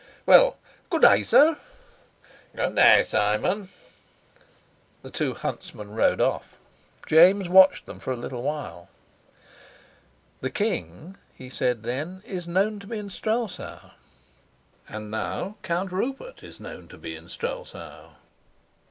"Well, good day, sir." "Good day, Simon." The two huntsmen rode off. James watched them for a little while. "The king," he said then, "is known to be in Strelsau; and now Count Rupert is known to be in Strelsau.